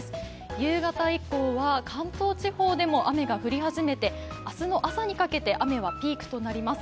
夕方以降は関東地方でも雨が降り始めて、明日の朝にかけて雨はピークとなります。